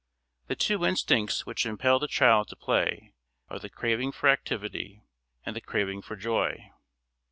The two instincts which impel the child to play are the craving for activity and the craving for joy.